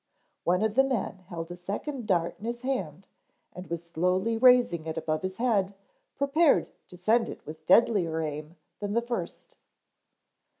One of the men held a second dart in his hand and was slowly raising it above his head prepared to send it with deadlier aim than the first.